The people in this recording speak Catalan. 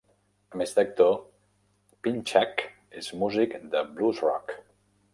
A més d'actor, Pinchak és músic de blues rock.